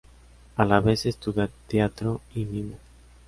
A la vez estudia teatro y mimo.